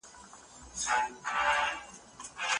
د هوا له لارې وایرس نه لېږدول کېږي.